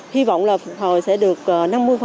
hy vọng là phục hồi sẽ được năm mươi công sức